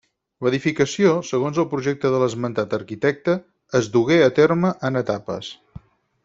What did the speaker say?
L'edificació, segons el projecte de l'esmentat arquitecte, es dugué a terme en etapes.